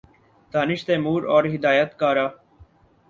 دانش تیمور اور ہدایت کارہ